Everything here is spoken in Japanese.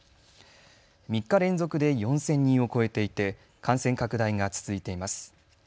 ３日連続で４０００人を超えていて感染拡大が続いています。